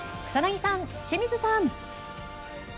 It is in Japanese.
草薙さん、清水さん。